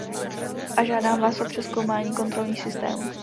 A žádám vás o přezkoumání kontrolních systémů.